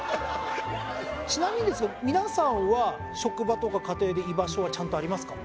ちなみにですが皆さんは職場とか家庭で居場所はちゃんとありますか？